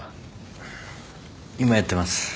今やってます。